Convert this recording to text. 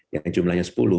yang jumlahnya sepuluh